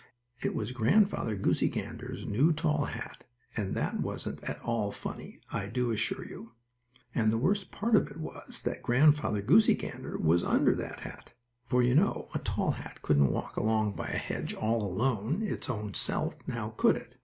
It was Grandfather Goosey Gander's new tall hat, and that wasn't at all funny, I do assure you. And the worst part of it was that Grandfather Goosey Gander was under that hat! For, you know, a tall hat couldn't walk along by a hedge, all alone its own self, now, could it?